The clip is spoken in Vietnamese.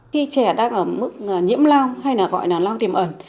khi trẻ đang ở mức nhiễm lao hay là gọi là lao tiềm ẩn